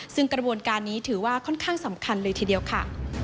ซึ่งกระบวนการนี้ถือว่าค่อนข้างสำคัญเลยทีเดียวค่ะ